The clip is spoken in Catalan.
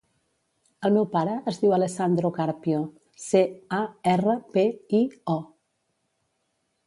El meu pare es diu Alessandro Carpio: ce, a, erra, pe, i, o.